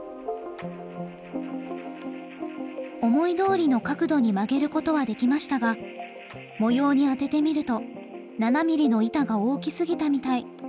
思いどおりの角度に曲げることはできましたが模様に当ててみると７ｍｍの板が大きすぎたみたい。